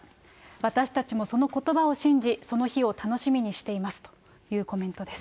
私たちもそのことばを信じ、その日を楽しみにしていますというコメントです。